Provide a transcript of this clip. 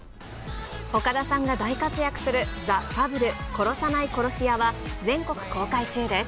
岡田さんが大活躍する、ザ・ファブル殺さない殺し屋は、全国公開中です。